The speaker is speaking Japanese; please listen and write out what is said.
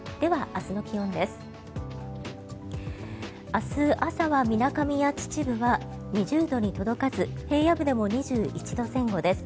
明日朝は、みなかみや秩父は２０度に届かず平野部でも２１度前後です。